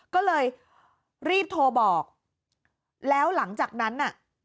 ก็เลยรีบโทรบอกแล้วหลังจากนั้นน่ะ